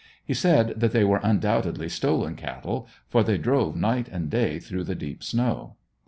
He said that they were undoubtedly stolen cattle, for they drove night and day through the deep snow.